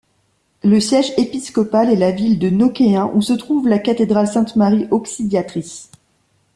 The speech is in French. Le siège épiscopal est la ville de Neuquén, où se trouve la cathédrale Sainte-Marie-Auxiliatrice.